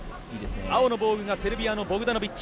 青の防具がセルビアのボグダノビッチ。